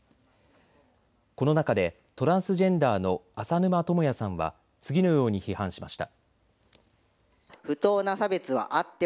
この中でトランスジェンダーの浅沼智也さんは次のように批判しました。